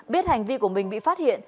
biết hành vi của mình bị phát hiện